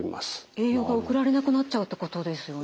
栄養が送られなくなっちゃうってことですよね？